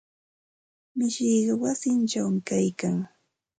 Mishiqa wayichawmi kaykan.